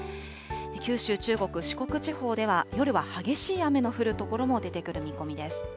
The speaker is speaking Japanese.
九州、中国、四国地方では、夜は激しい雨の降る所も出てくる見込みです。